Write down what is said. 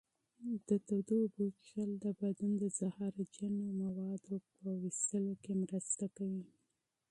د تودو اوبو څښل د بدن د زهرجنو موادو په ویستلو کې مرسته کوي.